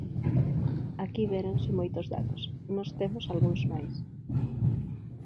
Aquí déronse moitos datos, nós temos algúns máis.